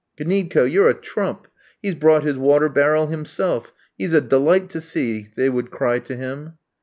"Gniedko, you're a trump! He's brought his water barrel himself. He's a delight to see!" they would cry to him.